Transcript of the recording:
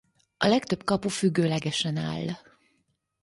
A legtöbb kapu függőlegesen áll.